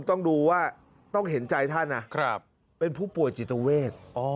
ต้องดูว่าต้องเห็นใจท่านนะเป็นผู้ป่วยจิตเวท